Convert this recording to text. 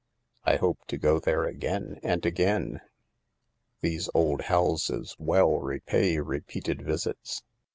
I hope to go there again and again. These old houses well repay repeated visits.